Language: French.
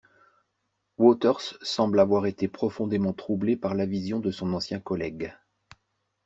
Waters semble avoir été profondément troublé par la vision de son ancien collègue.